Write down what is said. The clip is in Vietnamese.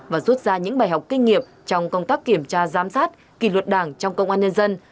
và rút ra những bài học kinh nghiệm trong công tác kiểm tra giám sát kỳ luật đảng trong công an nhân dân